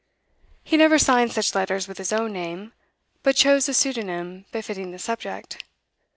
He never signed such letters with his own name, but chose a pseudonym befitting the subject.